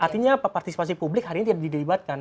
artinya apa partisipasi publik hari ini tidak didelibatkan